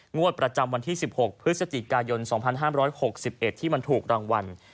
งวดประจำวันที่๑๖พฤศจิกายน๒๕๖๑ที่มันถูกรางวัล